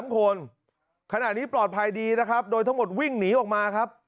๓คนขณะนี้ปลอดภัยดีนะครับโดยทั้งหมดวิ่งหนีออกมาครับ